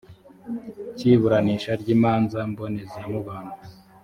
cy iburanisha ry imanza mbonezamubano